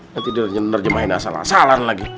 nanti dia nyenerjemahin asal asalan lagi